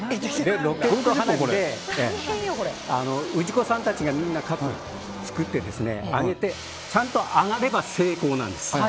ロケット花火で氏子さんたちが作って上げてちゃんと上がれば成功なんです。